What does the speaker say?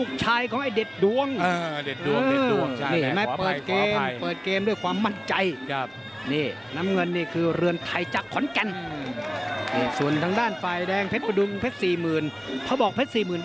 เขามาคืนวิทยาและครึ่งแพ้ไปแพ้ไปด้วยวิทยาเพชรสี่หมึกหนึ่ง